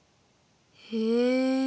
へえ。